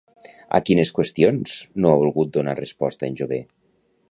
A quines qüestions no ha volgut donar resposta en Jové?